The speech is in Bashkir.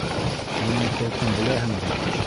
Уның холҡон беләһең бит.